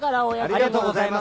ありがとうございます。